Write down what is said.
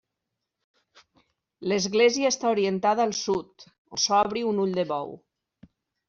L'església està orientada al sud, on s'obre un ull de bou.